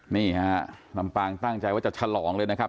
นี่ฮะลำปางตั้งใจว่าจะฉลองเลยนะครับ